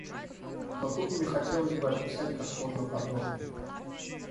Но тут мне хотелось бы описать как можно подробнее.